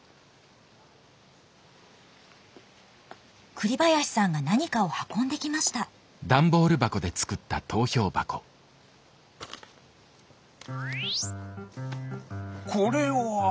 栗林さんが何かを運んできましたこれは。